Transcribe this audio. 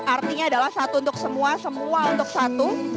artinya adalah satu untuk semua semua untuk satu